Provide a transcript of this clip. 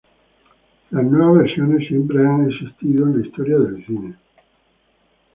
Las nuevas versiones siempre han existido en la historia del cine.